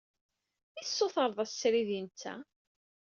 I tessutred-as srid i netta?